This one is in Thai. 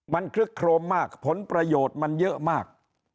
มันคลึกโครมมากผลประโยชน์มันเยอะมาก